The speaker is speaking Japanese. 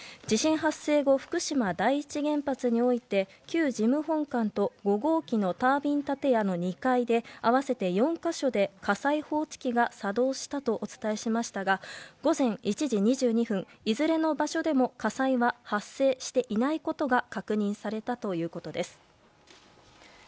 地震発生後福島第一原発において旧事務本館と５号機のタービン建屋の２階で合わせて４か所で火災報知機が作動したとお伝えしましたが午前１時２２分いずれも場所でも火災は発生していないことが確認されたということです。